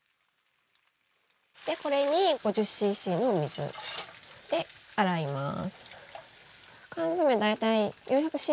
これに５０ｃｃの水で洗います。